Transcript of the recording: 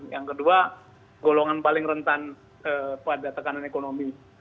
yang kedua golongan paling rentan pada tekanan ekonomi